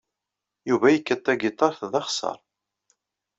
Yuba yekkat tagiṭart d axeṣṣar.